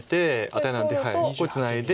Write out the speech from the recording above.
これツナいで。